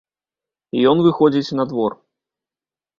Ён выходзіць на двор.